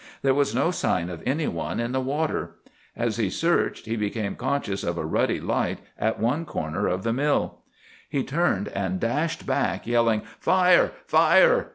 There was no sign of any one in the water. As he searched he became conscious of a ruddy light at one corner of the mill. He turned and dashed back, yelling "Fire! Fire!"